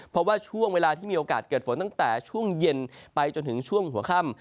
เพราะว่าช่วงเวลาที่มีโอกาสเกิดฝนตั้งแต่ช่วงเย็นไปจนถึงช่วงหัวค่ำ